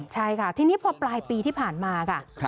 ใช่ค่ะทีนี้พอปลายปีที่ผ่านมาค่ะ